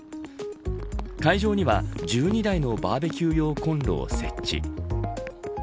会場には１２台のバーベキュー用コンロを設置。